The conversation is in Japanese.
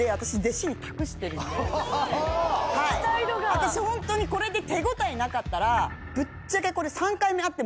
私ホントにこれで手応えなかったらぶっちゃけこれ３回目あっても。